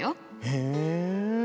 へえ。